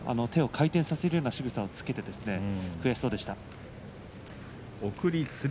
手を回転させるようなしぐさをしてですね